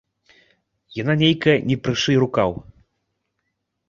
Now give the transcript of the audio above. Яна нейкая не прышый рукаў.